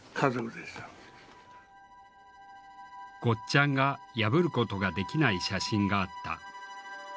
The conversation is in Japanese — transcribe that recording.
ゴッちゃんが破ることができない写真があった。